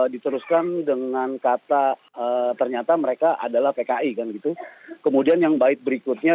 diteruskan dengan kata ternyata mereka adalah pki kan gitu kemudian yang baik berikutnya